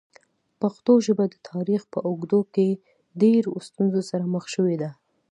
پښتو ژبه د تاریخ په اوږدو کې ډېرو ستونزو سره مخ شوې ده.